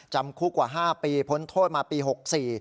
จำคุกกว่า๕ปีพ้นโทษมาปี๖๔